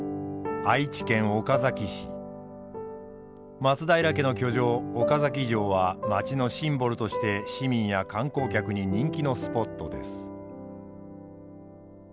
松平家の居城岡崎城は街のシンボルとして市民や観光客に人気のスポットです。